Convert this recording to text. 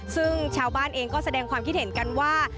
ซึ่งชาวบ้านเองก็แสดงความคิดเห็นกันว่า